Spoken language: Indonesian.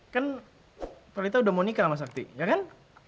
kan prita udah mau nikah sama sakti ya kan